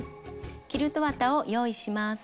キルト綿を用意します。